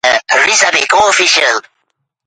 • Atirgul axlatxonada ham o‘saveradi.